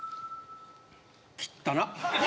きったな。